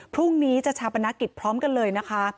พรุ่งนี้จะชาปนกิจพร้อมกันเลยนะคะ